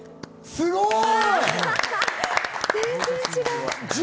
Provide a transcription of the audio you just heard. すごい！